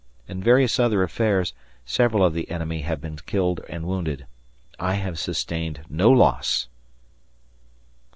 In various other affairs several of the enemy have been killed and wounded. I have sustained no loss.